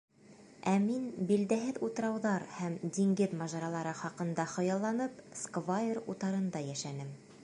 Ә мин, билдәһеҙ утрауҙар һәм диңгеҙ мажаралары хаҡында хыялланып, сквайр утарында йәшәнем.